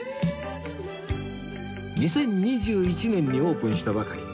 ２０２１年にオープンしたばかり